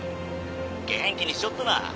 元気にしちょっとな。